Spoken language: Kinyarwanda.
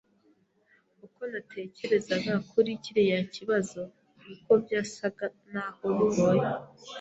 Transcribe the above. Uko natekerezaga kuri kiriya kibazo, niko byasaga naho bigoye.